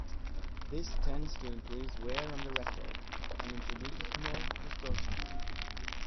This tends to increase wear on the record, and introduces more distortion.